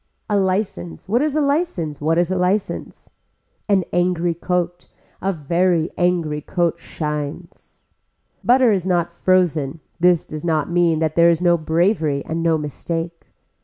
A license, what is a license, what is a license. An angry coat, a very angry coat shines. Butter is not frozen, this does not mean that there is no bravery and no mistake.